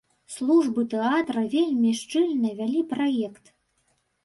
Службы тэатра вельмі шчыльна вялі праект.